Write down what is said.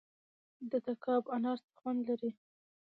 د تګاب انار څه خوند لري؟